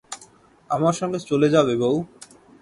আমার সঙ্গে চলে যাবে বৌ?